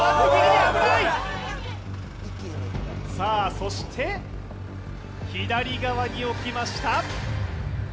そして左側に置きました。